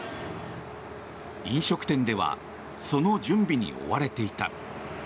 飲食店ではその準備に追われていた。